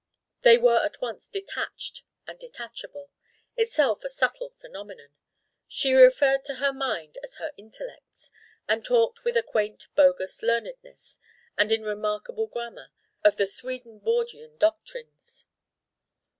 They were at once 'detached' and detachable: itself a subtle phenomenon. She referred to her mind as her 'intellects' and talked with a quaint bogus learnedness, and in remarkable grammar, of the Swedenborgian doctrines.